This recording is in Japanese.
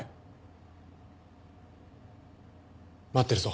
待ってるぞ。